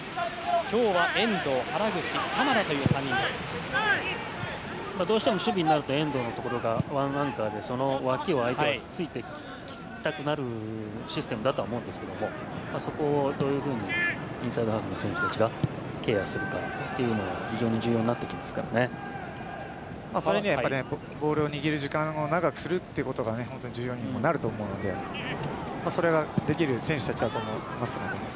今日は遠藤、原口、鎌田というどうしても守備になると遠藤のところがワンアンカーでその脇を相手が突いてきたくなるシステムだとは思うんですけどそこをどういうふうにインサイドハーフの選手たちがケアするかというのがそういう意味ではボールを握る時間を長くするということが重要になると思うのでそれが、できる選手たちだと思いますので。